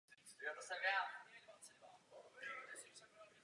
Na straně Peru stála Bolívie.